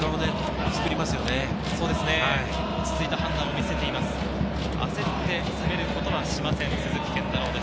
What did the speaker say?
落ち着いた判断を見せています。